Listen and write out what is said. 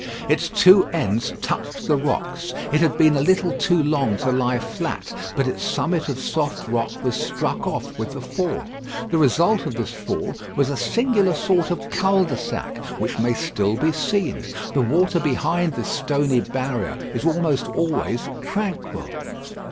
Its two ends touched the rocks. It had been a little too long to lie flat, but its summit of soft rock was struck off with the fall. The result of this fall was a singular sort of cul de sac, which may still be seen. The water behind this stony barrier is almost always tranquil.